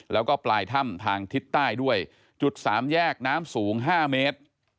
แล้วก็ปลายถ้ำทางทิศใต้ด้วยจุดสามแยกน้ำสูง๕เมตร